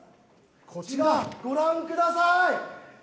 こちら、ご覧ください。